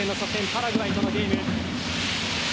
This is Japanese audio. パラグアイとのゲーム。